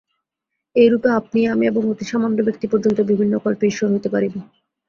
এইরূপে আপনি, আমি এবং অতি সামান্য ব্যক্তি পর্যন্ত বিভিন্ন কল্পে ঈশ্বর হইতে পারিব।